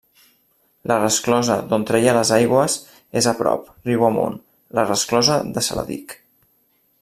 La resclosa d'on treia les aigües és a prop, riu amunt: la resclosa de Saladic.